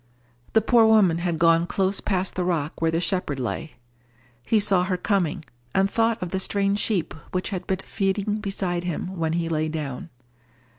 The poor woman had gone close past the rock where the shepherd lay. He saw her coming, and thought of the strange sheep which had been feeding beside him when he lay down.